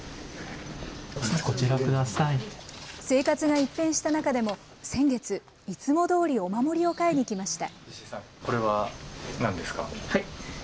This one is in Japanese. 生活が一変した中でも、先月、いつもどおりお守りを買いに行きました。